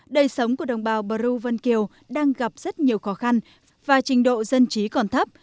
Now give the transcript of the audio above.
đời sống của đồng bào bờ rêu vân kiều đang gặp rất nhiều khó khăn và trình độ dân trí còn thấp